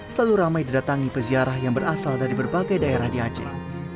selalu ramai didatangi peziarah yang berasal dari berbagai daerah di aceh